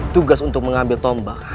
tugas untuk mengambil tombak